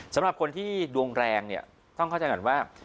สำหรับคนที่ดวงแรงต้องเข้าใจกันว่า